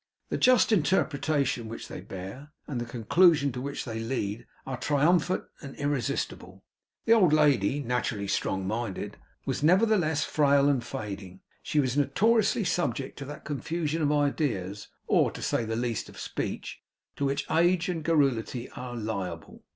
The just interpretation which they bear, and the conclusion to which they lead, are triumphant and irresistible. The old lady, naturally strong minded, was nevertheless frail and fading; she was notoriously subject to that confusion of ideas, or, to say the least, of speech, to which age and garrulity are liable.